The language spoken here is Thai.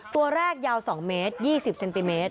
ตัวแรกยาวสองเมตรยี่สิบเซนติเมตร